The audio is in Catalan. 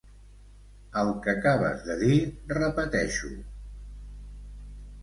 El que acabes de dir, repeteix-ho.